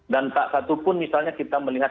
dan tak satupun misalnya kita melihat